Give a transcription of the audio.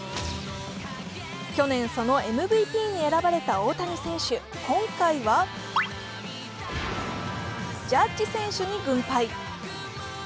去年、そのＭＶＰに選ばれた大谷選手、今回はジャッジ選手に軍配。